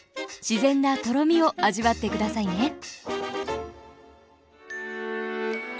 自然なとろみを味わって下さいね。